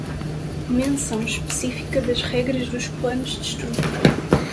Menção específica das regras dos planos de estudo.